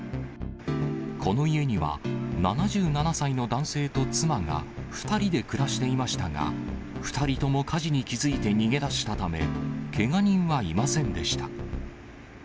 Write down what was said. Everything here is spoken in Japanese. この家には、７７歳の男性と妻が２人で暮らしていましたが、２人とも火事に気付いて逃げ出したため、けが人はいませんでした。